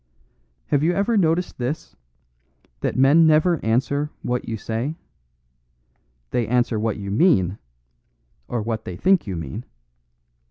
"Have you ever noticed this that people never answer what you say? They answer what you mean or what they think you mean.